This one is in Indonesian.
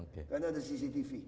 karena ada cctv